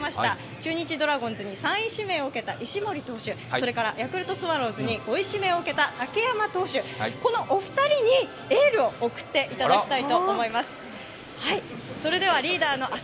中日ドラゴンズに３位指名を受けた石森選手、それからヤクルトスワローズに５位指名を受けた竹山投手、このお二人にエールを贈ってもらいたいと思います。